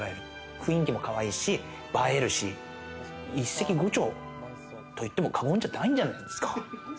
雰囲気もかわいいし映えるし、一石５鳥と言っても過言じゃないんじゃないんですか。